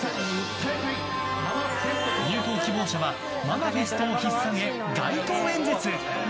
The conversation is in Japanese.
入党希望者はママフェストを引っさげ街頭演説。